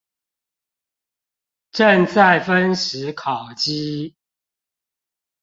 正在分食烤雞